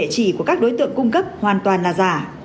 địa chỉ của các đối tượng cung cấp hoàn toàn là giả